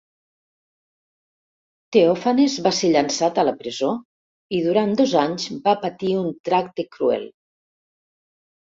Teòfanes va ser llançat a la presó i durant dos anys va patir un tracte cruel.